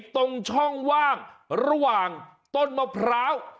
ตรงช่องว่างระหว่างต้นมะพร้าว